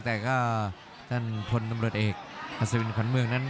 แต่ก็ท่านพลตำรวจเอกอัศวินขวัญเมืองนั้น